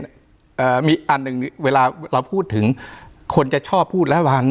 เอ่อมีอันหนึ่งเวลาเราพูดถึงคนจะชอบพูดแล้วว่า